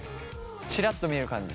ちらっと見える感じ。